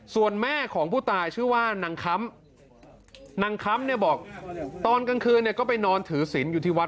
ส่วนแม่ของผู้ตายชื่อว่านางค้ำนางค้ำเนี่ยบอกตอนกลางคืนเนี่ยก็ไปนอนถือศิลป์อยู่ที่วัด